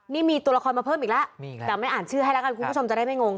นี่มีตัวละครมาเพิ่มอีกแล้วนี่ไงแต่ไม่อ่านชื่อให้แล้วกันคุณผู้ชมจะได้ไม่งง